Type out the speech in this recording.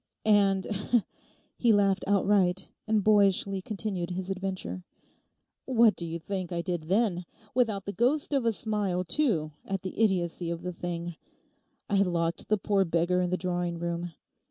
And—' He laughed outright, and boyishly continued his adventure. 'What do you think I did then, without the ghost of a smile, too, at the idiocy of the thing? I locked the poor beggar in the drawing room.